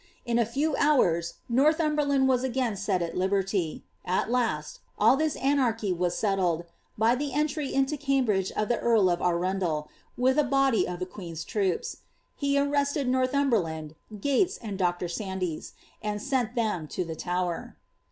In a few hours Nonhumberland was again set at liberty ; at la.ot, all this anarchy was settled, by the entry into Cambridge of the earl of Anjodtl, with a body of the queen's troops. He arrested Northumberland, Gates, and Dr. Sandvs, and sent them to the Tower.